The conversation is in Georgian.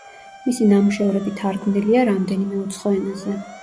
მისი ნამუშევრები თარგმნილია რამდენიმე უცხო ენაზე.